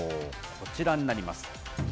こちらになります。